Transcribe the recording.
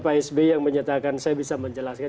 pak sby yang menyatakan saya bisa menjelaskan